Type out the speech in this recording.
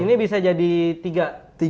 ini bisa jadi tiga